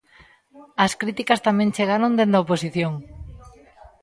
As críticas tamén chegaron dende a oposición...